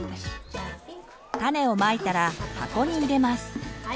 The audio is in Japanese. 種をまいたら箱に入れます。